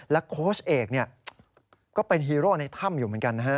โค้ชเอกเนี่ยก็เป็นฮีโร่ในถ้ำอยู่เหมือนกันนะฮะ